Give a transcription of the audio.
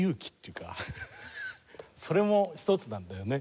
それも一つなんだよね。